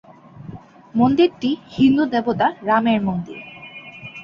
মন্দিরটি হিন্দু দেবতা রামের মন্দির।